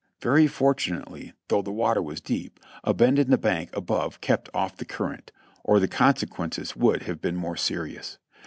Very fortunately, though the water was deep, a bend in the bank above kept off the current, or the con sequences would have been more serious.